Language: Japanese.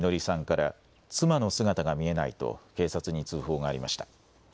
彌憲さんから、妻の姿が見えないと、警察に通報がありました。